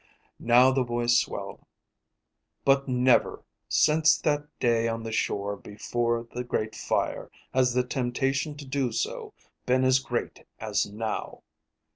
Now the voice swelled. "But never, since that day on the shore before the Great Fire, has the temptation to do so been as great as now."